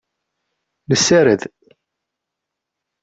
Nessared.